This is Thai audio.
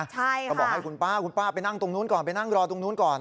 เขาบอกให้คุณป้าคุณป้าไปนั่งตรงนู้นก่อนไปนั่งรอตรงนู้นก่อน